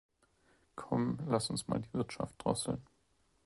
Komm, lass uns mal die Wirtschaft drosseln.